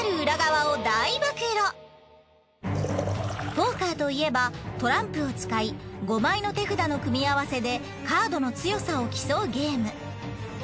ポーカーといえばトランプを使い５枚の手札の組み合わせでカードの強さを競うゲーム。